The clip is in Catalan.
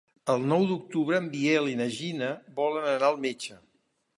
El nou d'octubre en Biel i na Gina volen anar al metge.